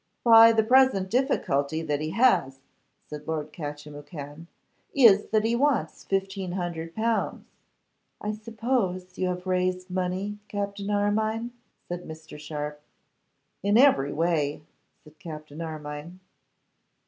'Why, the present difficulty that he has,' said Lord Catchimwhocan, 'is that he wants 1,500L.' 'I suppose you have raised money, Captain Armine?' said Mr. Sharpe. 'In every way,' said Captain Armine.